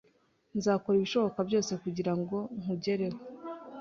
Nzakora ibishoboka byose kugirango nkugereho.